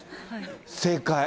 正解。